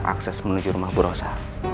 akses menuju rumah bu rosa